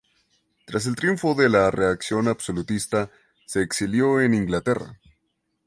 Tras el triunfo de la reacción absolutista, se exilió en Inglaterra.